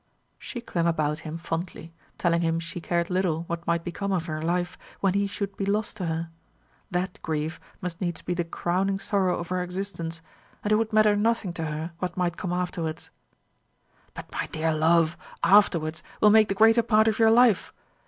She clung about him fondly, telling him she cared little what might become of her life when he should be lost to her. That grief must needs be the crowning sorrow of her existence; and it would matter nothing to her what might come afterwards. "But my dear love, 'afterwards' will make the greater part of your life.